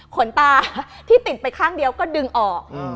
ขนตาที่ติดไปข้างเดียวก็ดึงออก